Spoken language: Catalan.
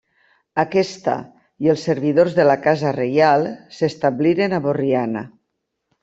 Aquesta i els servidors de la casa reial s'establiren a Borriana.